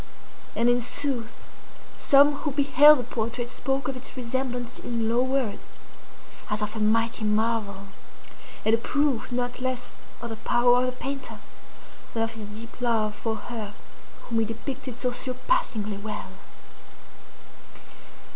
And in sooth some who beheld the portrait spoke of its resemblance in low words, as of a mighty marvel, and a proof not less of the power of the painter than of his deep love for her whom he depicted so surpassingly well.